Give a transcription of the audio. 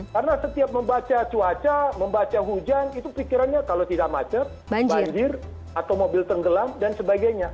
karena setiap membaca cuaca membaca hujan itu pikirannya kalau tidak macet banjir atau mobil tenggelam dan sebagainya